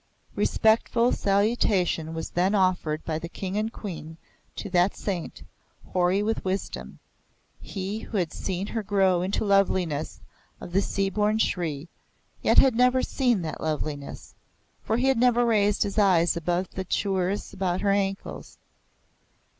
Respectful salutation was then offered by the King and the Queen to that saint, hoary with wisdom he who had seen her grow into the loveliness of the sea born Shri, yet had never seen that loveliness; for he had never raised his eyes above the chooris about her ankles.